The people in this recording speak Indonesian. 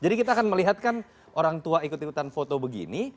jadi kita akan melihatkan orang tua ikut ikutan foto begini